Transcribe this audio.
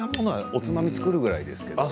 おつまみを作るぐらいですけどね。